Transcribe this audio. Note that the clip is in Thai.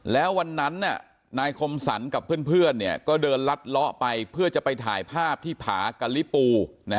แล้ววันนั้นนายคมสรรกับเพื่อนก็เดินลัดเลาะไปเพื่อจะไปถ่ายภาพที่ผากะลิปู